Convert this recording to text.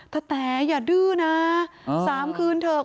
ตาแต่อย่าดื้อน้าาาาาสามคืนเถอะ